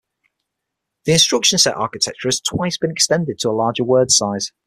The instruction set architecture has twice been extended to a larger word size.